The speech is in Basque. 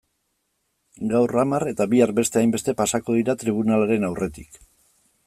Gaur hamar eta bihar beste hainbeste pasako dira tribunalaren aurretik.